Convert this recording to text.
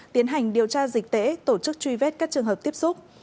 tiến hành điều tra dịch tễ tổ chức truy vết các trường hợp tiếp xúc